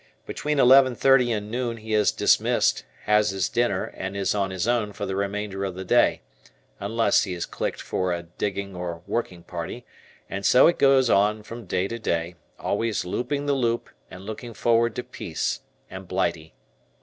Between 11.30 and noon he is dismissed, has his dinner, and is "on his own" for the remainder of the day, unless he has clicked for a digging or working party, and so it goes on from day to day, always "looping the loop" and looking forward to Peace and Blighty.